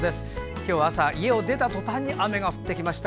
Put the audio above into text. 今日は朝、家を出たとたんに雨が降ってきました。